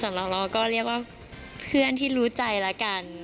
เราก็เรียกว่าเพื่อนที่รู้ใจแล้วกัน